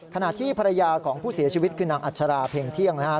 ขณะที่ภรรยาของผู้เสียชีวิตคือนางอัชราเพลงเที่ยงนะครับ